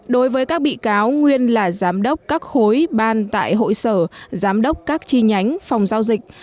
đối với các bị cáo nguyên là giám đốc các khối ban tại hội sở giám đốc các chi nhánh phòng giao dịch